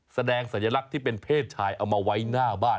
สัญลักษณ์ที่เป็นเพศชายเอามาไว้หน้าบ้าน